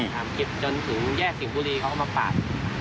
ช่ายทริปถึงจนแย่สิงภูมิอยู่ที่เขามาปาด